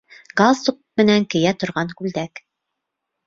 Галстук менән кейә торған күлдәк!